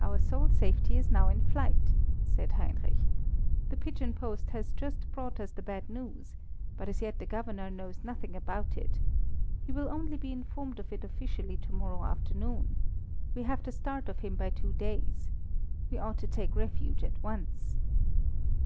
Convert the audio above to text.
"Our sole safety is now in flight," said Heinrich. "The pigeon post has just brought us the bad news, but as yet the Governor knows nothing about it. He will only be informed of it officially to morrow afternoon. We have the start of him by two days. We ought to take refuge at once."